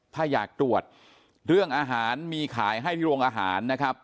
ถ้าอยากตรวจเรื่องอาหารมีขายให้ที่โรงอาหารนะครับ